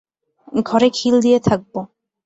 ঘরে খিল দিয়ে থাকব।